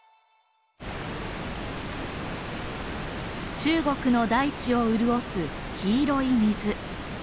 中国の大地を潤す黄色い水。